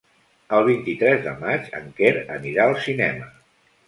El vint-i-tres de maig en Quer anirà al cinema.